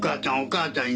母ちゃん